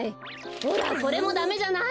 ほらこれもダメじゃない。